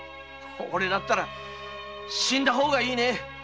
おれだったら死んだ方がいいね！